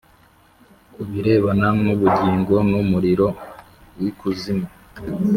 ku birebana n’ubugingo n’umuriro w’ikuzimu